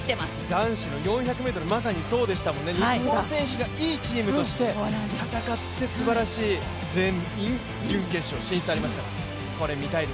男子の４００ｍ、まさにそうでしたもんね、日本選手がいいチームとして戦ってすばらしい全員、準決勝進出ありますから。